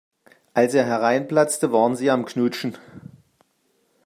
Als er hereinplatzte, waren sie am Knutschen.